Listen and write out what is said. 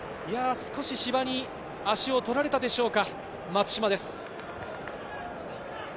少し芝に足を取られたでしょうか？